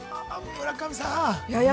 ◆村上さん。